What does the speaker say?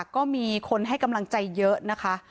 ก็มีคนให้กำลังใจเยอะนะคะ